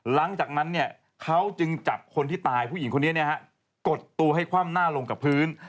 หลังจากนั้นเป็นคนที่ตายผู้หญิงกดตัวให้คว่ำหน้าลงกับพื้น